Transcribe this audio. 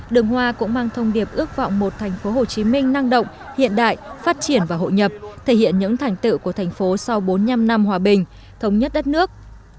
đường hoa cũng mang thông điệp ước vọng một tp hcm năng động hiện đại phát triển và hội nhập thể hiện những thành tựu của thành phố sau bốn mươi năm năm hòa bình thống nhất đất nước